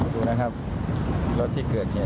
ดูนะครับรถถี่เผื่อชน